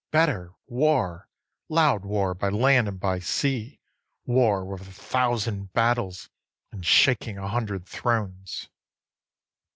better, war! loud war by land and by sea, War with a thousand battles, and shaking a hundred thrones.